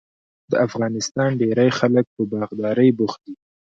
د افغانستان ډیری خلک په باغدارۍ بوخت دي.